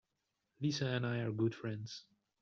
Lisa and I are good friends.